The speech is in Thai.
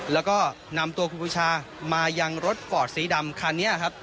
แล้วก็นำตัวครูชามายังรถฟอร์ดสีดำคันนี้ครับ